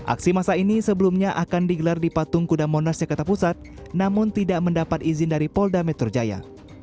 aksi masa ini sebelumnya akan digelar di patung kuda monas jakarta pusat namun tidak mendapat izin dari polda metro jaya